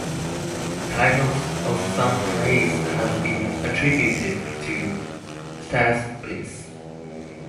Titles of some plays have been attributed to Thespis.